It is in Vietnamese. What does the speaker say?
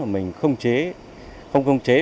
mình không chế